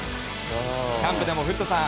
キャンプでも古田さん